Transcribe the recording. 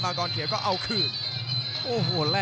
มังกรเขียวก็เอาคืน